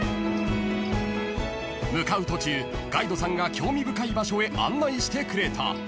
［向かう途中ガイドさんが興味深い場所へ案内してくれた］